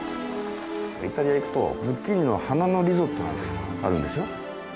イタリア行くとズッキーニの花のリゾットなんかがあるんですよ。